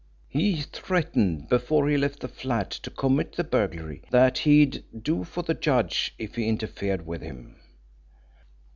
He threatened before he left the flat to commit the burglary that he'd do for the judge if he interfered with him."